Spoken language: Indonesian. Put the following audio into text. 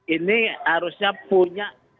ini harusnya punya